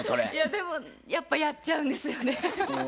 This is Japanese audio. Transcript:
でもやっぱやっちゃうんですよね。